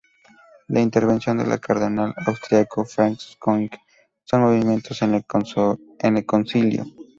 La intervención del cardenal austríaco Franz König a sus movimientos en el Concilio.